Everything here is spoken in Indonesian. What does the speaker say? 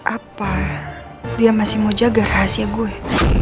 apa dia masih mau jaga rahasia gue